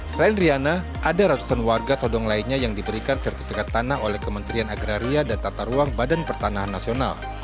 selain riana ada ratusan warga sodong lainnya yang diberikan sertifikat tanah oleh kementerian agraria dan tata ruang badan pertanahan nasional